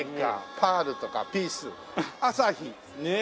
パールとかピース朝日ねえ。